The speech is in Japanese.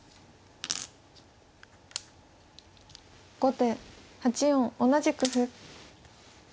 後手８四同じく歩。